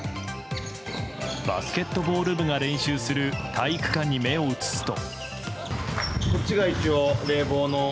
バスケットボール部が練習する体育館に目を移すと。